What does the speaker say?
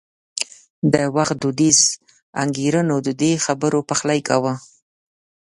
د وخت دودیزو انګېرنو د دې خبرو پخلی کاوه.